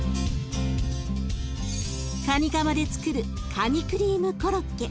カニカマでつくるカニクリームコロッケ。